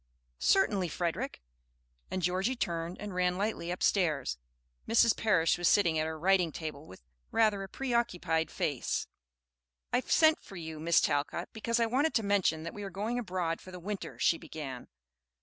"Certainly, Frederick." And Georgie turned and ran lightly upstairs. Mrs. Parish was sitting at her writing table with rather a preoccupied face. "I sent for you, Miss Talcott, because I wanted to mention that we are going abroad for the winter," she began.